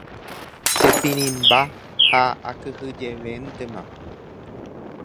Chepirĩmba ha akyhyjevéntema.